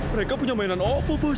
mereka punya mainan apa bos